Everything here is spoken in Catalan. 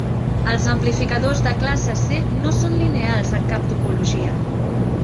Els amplificadors de classe C no són lineals en cap topologia.